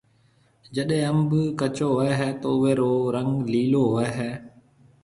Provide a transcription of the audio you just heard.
جيڏيَ انڀ ڪچو هوئي هيَ تو اوئي رو رنگ ليلو هوئي هيَ۔